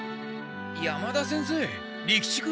山田先生利吉君？